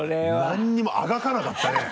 何にもあがかなかったね。